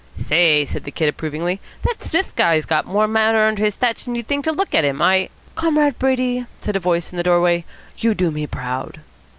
"Say," said the Kid approvingly, "that Smith guy's got more grey matter under his thatch than you'd think to look at him. I " "Comrade Brady," said a voice in the doorway, "you do me proud."